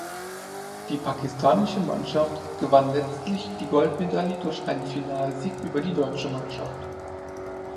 Die pakistanische Mannschaft gewann letztlich die Goldmedaille durch einen Finalsieg über die deutsche Mannschaft.